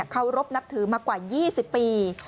เขารบนับถือมากว่า๒๐ปี